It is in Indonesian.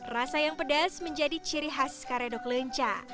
rasa yang pedas menjadi ciri khas karedok lenca